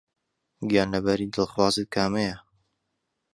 گیانلەبەری دڵخوازت کامەیە؟